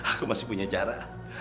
aku masih punya cara